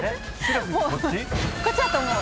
こっちだと思う。